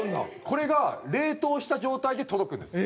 これが冷凍した状態で届くんです。